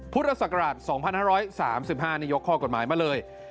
พุทธศักราช๒๕๓๕ยกข้อกฎหมายมาเลย